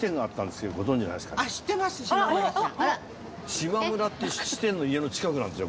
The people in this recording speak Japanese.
島村って質店の家の近くなんですよ